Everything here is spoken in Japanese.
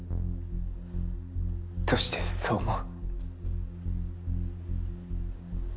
どうしてそう思う？